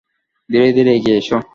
ধীরে ধীরে এগিয়ে এসো।